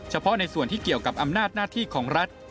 เฉพาะในส่วนที่เกี่ยวกับอำนาจหน้าที่ของรัฐ